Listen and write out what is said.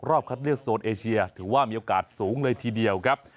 คัดเลือกโซนเอเชียถือว่ามีโอกาสสูงเลยทีเดียวครับ